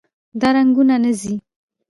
دا رنګونه نه ځي.